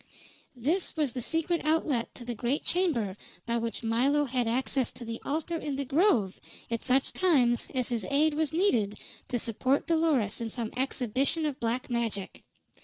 This was the secret outlet to the great chamber by which Milo had access to the altar in the grove at such times as his aid was needed to support Dolores in some exhibition of black magic.